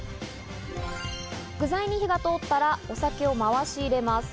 具材に火が通ったらお酒を回し入れます。